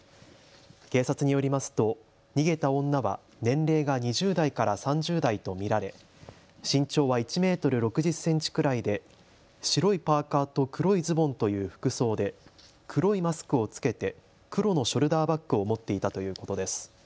警察によりますと逃げた女は年齢が２０代から３０代と見られ身長は１メートル６０センチくらいで白いパーカーと黒いズボンという服装で黒いマスクを着けて黒のショルダーバッグを持っていたということです。